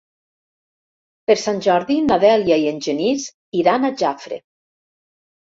Per Sant Jordi na Dèlia i en Genís iran a Jafre.